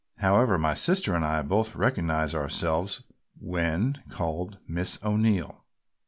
However, my sister and I both recognize ourselves when called Miss O'Neill."